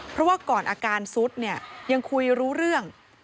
เพราะว่าก่อนอาการซุดเนี่ยยังคุยรู้เรื่อง